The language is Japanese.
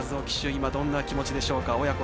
今どんな気持ちでしょうか。